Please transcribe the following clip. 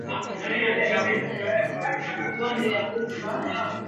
Mikoa ya Dodoma na Pwani huathirika na ugonjwa wa homa ya bonde la ufa